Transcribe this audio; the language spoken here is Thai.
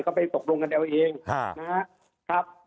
ก็ไปตกลงกันเอาเองนะครับ